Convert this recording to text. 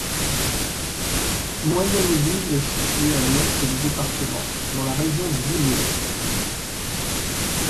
Moyenneville est située à l'ouest du département, dans la région du Vimeu.